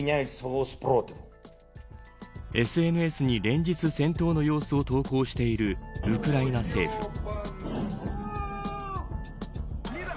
ＳＮＳに連日戦闘の様子を投稿しているウクライナ政府。